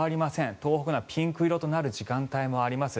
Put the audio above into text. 東北などピンク色になる時間帯もあります。